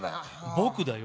僕だよ。